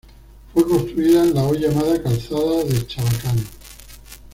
Fue construido en la hoy llamada Calzada de Chabacano.